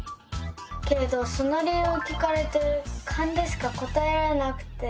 けれどその理由を聞かれてカンでしか答えられなくて。